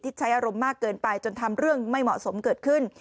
ใช้อารมณ์มากเกินไปจนทำเรื่องไม่เหมาะสมเกิดขึ้น